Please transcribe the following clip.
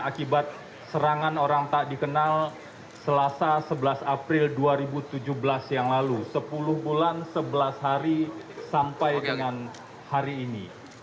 akibat serangan orang tak dikenal selasa sebelas april dua ribu tujuh belas yang lalu sepuluh bulan sebelas hari sampai dengan hari ini